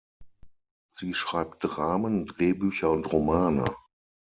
Sie schreibt Dramen, Drehbücher und Romane.